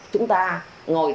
chúng ta ngồi đánh